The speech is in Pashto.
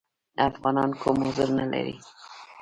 افغانان کوم عذر نه لري.